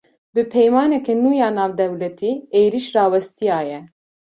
Bi peymaneke nû ya navdewletî, êriş rawestiya ye